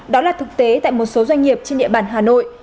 đó là thực tế tại một số doanh nghiệp trên địa bàn hà nội